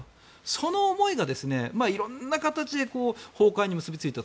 その思いがいろんな形で崩壊に結び付いた。